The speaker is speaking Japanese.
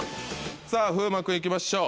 さぁ風磨君行きましょう。